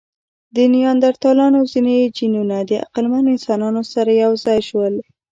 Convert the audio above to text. د نیاندرتالانو ځینې جینونه د عقلمن انسانانو سره یو ځای شول.